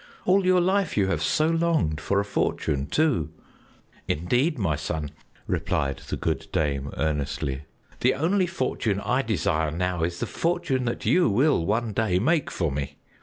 All your life you have so longed for a fortune, too!" "Indeed, my son," replied the good dame earnestly, "the only fortune I desire now is the fortune that you will one day make for me.